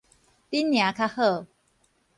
恁娘較好